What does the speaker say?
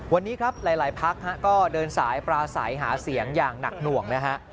วันนี้ครับหลายพักก็เดินสายปราศัยหาเสียงอย่างหนักหน่วงนะฮะ